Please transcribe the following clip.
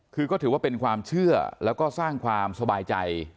คือก็ถือว่าเป็นความเชื่อแล้วก็สร้างความสบายใจ